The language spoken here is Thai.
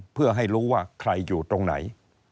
เพื่อให้รู้ว่าใครอยู่ตรงไหน